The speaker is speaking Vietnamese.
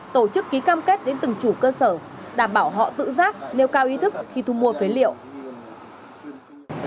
tổ chức ký cam kết đến từng chủ cơ sở đảm bảo họ tự giác nêu cao ý thức khi thu mua phế liệu